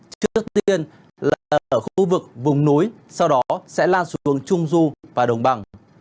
trước tiên là ở khu vực vùng núi sau đó sẽ lan xuống trung du và đồng bằng